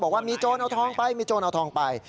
บอกว่ามีโจรเอาทองไปมีโจรเอาทองไป